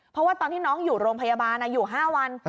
เพราะว่าตอนที่น้องอยู่โรงพยาบาลอยู่๕วัน